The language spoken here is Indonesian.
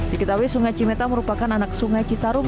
diketahui sungai cimeta merupakan anak sungai citarum